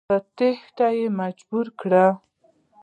په تېښته یې مجبور کړ.